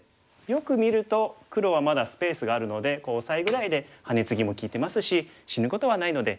よく見ると黒はまだスペースがあるのでオサエぐらいでハネツギも利いてますし死ぬことはないので。